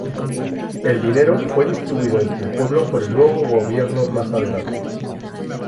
El dinero fue distribuido entre el pueblo por el nuevo gobierno más adelante.